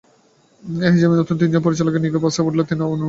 এজিএমে নতুন তিনজন স্বতন্ত্র পরিচালক নিয়োগের প্রস্তাব উঠলেও তা অনুমোদন হয়নি।